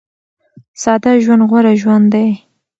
ساده ژوند غوره ژوند دی.